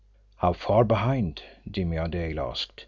"How far behind?" Jimmie Dale asked.